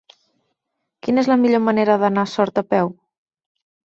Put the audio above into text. Quina és la millor manera d'anar a Sort a peu?